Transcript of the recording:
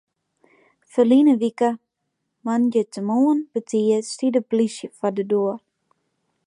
Ferline wike moandeitemoarn betiid stie de polysje foar de doar.